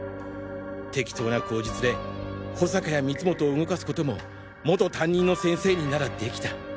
適当な口実で保坂や光本を動かす事も元担任の先生にならできた。